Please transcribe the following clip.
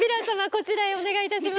こちらへお願いいたします。